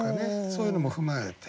そういうのも踏まえて。